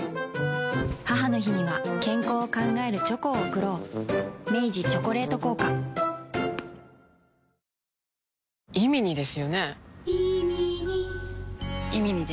母の日には健康を考えるチョコを贈ろう明治「チョコレート効果」速報です。